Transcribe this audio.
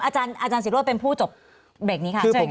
อาจารย์ศิราฯเป็นผู้จบเบรคนี้ค่ะ